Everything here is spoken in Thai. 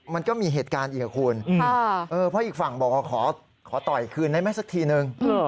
มันก็มีเหตุการณ์อีกอ่ะคุณเพราะอีกฝั่งบอกว่าขอต่อยคืนได้ไหมสักทีนึง